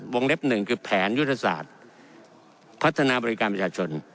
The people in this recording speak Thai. เล็บหนึ่งคือแผนยุทธศาสตร์พัฒนาบริการประชาชน